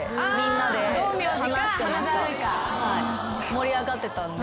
盛り上がってたんで。